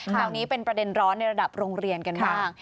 คราวนี้เป็นประเด็นร้อนในระดับโรงเรียนกันบ้าง